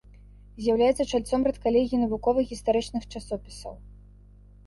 З'яўляецца чальцом рэдкалегіі навуковых гістарычных часопісаў.